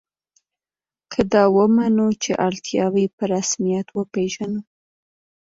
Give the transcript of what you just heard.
که دا ومنو چې اړتیاوې په رسمیت وپېژنو.